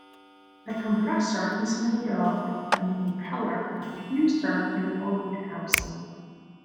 The compressor is made up of an impeller, a diffuser and a volute housing.